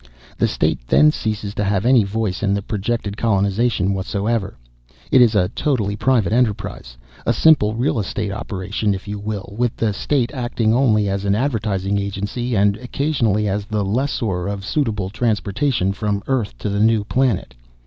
"The state then ceases to have any voice in the projected colonization whatsoever. It is a totally private enterprise a simple real estate operation, if you will, with the state acting only as an advertising agency, and, occasionally, as the lessor of suitable transportation from Earth to the new planet.